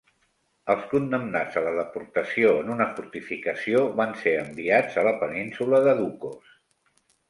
Els condemnats a la deportació en una fortificació van ser enviats a la Península de Ducos.